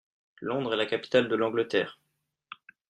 Londres est la capitale de l'Angleterre.